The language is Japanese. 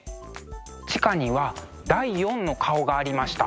地下には第４の顔がありました。